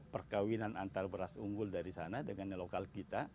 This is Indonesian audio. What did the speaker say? perkawinan antar beras unggul dari sana dengan lokal kita